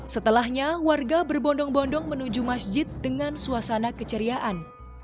setelahnya warga berbondong bondong menuju masjid dengan suasana keceriaan